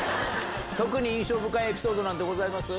特に印象深いエピソードございます？